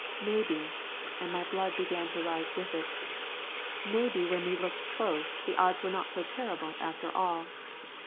Maybe, and my blood began to rise with it, maybe when we looked close, the odds were not so terrible after all.